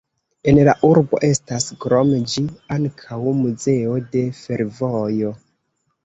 En la urbo estas krom ĝi ankaŭ muzeo de fervojo.